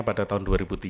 pada tahun dua ribu tiga